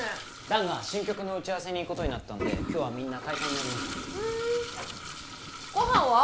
弾が新曲の打ち合わせに行くことになったんで今日はみんな解散になりましたふーんご飯は？